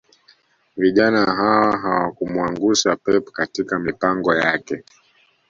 Vijana hawa hawakumuangusha pep katika mipango yake